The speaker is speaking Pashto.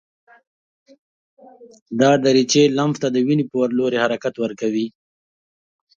دا دریڅې لمف ته د وینې په لوري حرکت ورکوي.